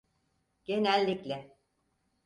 Genellikle.